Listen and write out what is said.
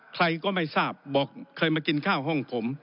ใครก็ไม่ทราบบอกเคยมากินข้าวห้องผม